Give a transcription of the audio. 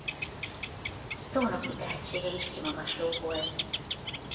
Szónoki tehetsége is kimagasló volt.